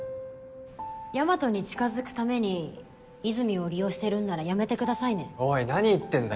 大和に近づくために和泉を利用してるんならやめてくださいねおい何言ってんだよ